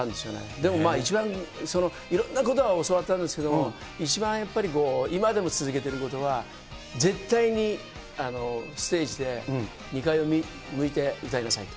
でも一番、いろんなことを教わったんですけれども、一番やっぱり、今でも続けていることは、絶対にステージで２階を向いて歌いなさいと。